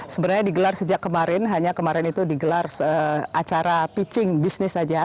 sebenarnya digelar sejak kemarin hanya kemarin itu digelar acara pitching bisnis saja